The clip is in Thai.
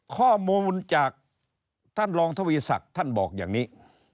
ข้อมูลจากท่านรองทวีศักดิ์ท่านบอกอย่างนี้